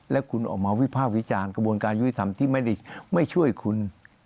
และคุณออกมาวิภาควิจารณ์กระบวนการยุติธรรมที่ไม่ได้ไม่ช่วยคุณ